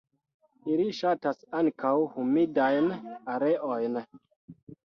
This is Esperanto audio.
Ili ŝatas ankaŭ humidajn areojn.